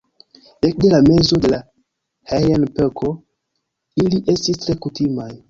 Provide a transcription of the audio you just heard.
Ekde la mezo de la Heian-epoko ili estis tre kutimaj.